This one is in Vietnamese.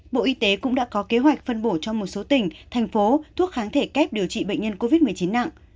bộ y tế cũng đã có kế hoạch phân bổ cho một số tỉnh thành phố thuốc kháng thể kép điều trị bệnh nhân covid một mươi chín nặng